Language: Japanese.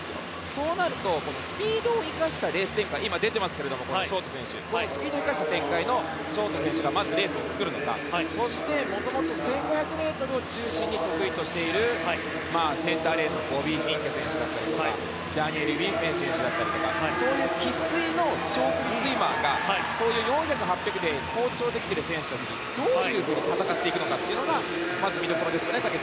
そうなるとスピードを生かしたレース展開今出てますが、ショート選手スピードを生かした展開をまずレースを作るのかそして元々１５００ｍを中心に得意としているセンターレーンのボビー・フィンケ選手だったりとかダニエル・ウィフェン選手だったりとかそういう生粋の長距離スイマーがそういう４００ｍ、８００ｍで好調で来ている選手たちにどう戦っていくのかが見どころですかね。